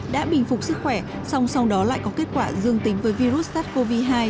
đã bình phục sức khỏe song song đó lại có kết quả dương tính với virus sars cov hai